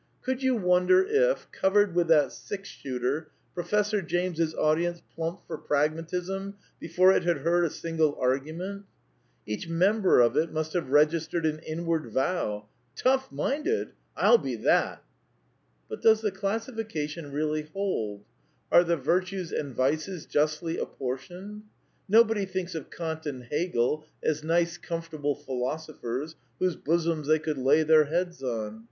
Could you wonder if, covered with that six shooter, Profes sor James's audience plumped for Pragmatism before it had heard a single argument ? Each member of it must have registered an inward vow :" Tough minded ? I'll he that r' But does the classification really hold? Are the vir tues and vices justly apportioned? Nobody thinks of |Eant and Hegel as nice comfortable philosophers whose jbosoms they could lay their heads on.